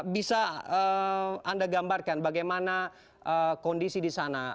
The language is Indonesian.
bisa anda gambarkan bagaimana kondisi di sana